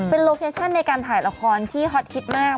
โลเคชั่นในการถ่ายละครที่ฮอตฮิตมาก